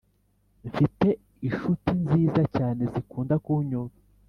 mfite ishuti nziza cyane zikunda kunyumva